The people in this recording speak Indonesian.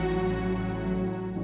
masa itu kita berdua